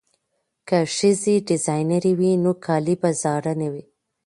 که ښځې ډیزاینرې وي نو کالي به زاړه نه وي.